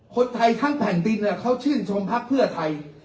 คนไทยทั้งแผ่นดินเขาชื่นชมพักเพื่อไทย